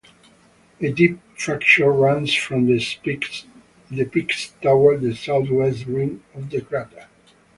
A deep fracture runs from the peaks toward the southwest rim of the crater.